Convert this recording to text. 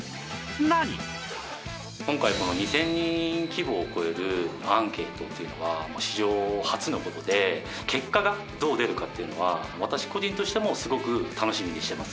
今回２０００人規模を超えるアンケートっていうのが史上初の事で結果がどう出るかっていうのは私個人としてもすごく楽しみにしてます。